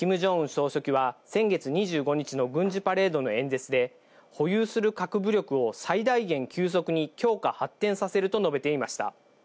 総書記は、先月２５日の軍事パレードの演説で、保有する核武力を最大限急速に強化・発展させると述べていました。